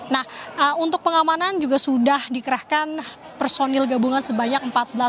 nah untuk pengamanan juga sudah dikerahkan personil gabungan sebanyak empat belas empat ratus lima puluh dua